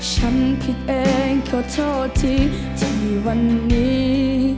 ฉันคิดเองขอโทษที่จะมีวันนี้